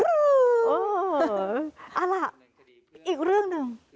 เอาล่ะอีกเรื่องหนึ่ง